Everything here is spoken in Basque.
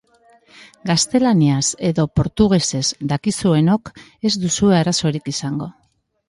Gaztelaniaz edo portugesez dakizuenok ez duzue arazorik izango.